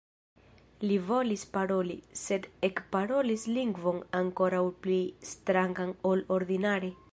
Li volis paroli, sed ekparolis lingvon ankoraŭ pli strangan ol ordinare.